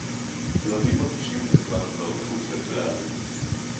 רָבִים מַרְגִישִים אֶת עַצְמָם כְּבָר מִחוּץ לִכְלָל.